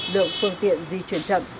lượng phương tiện di chuyển chậm